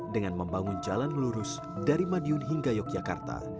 dengan membangun jalan lurus dari madiun hingga yogyakarta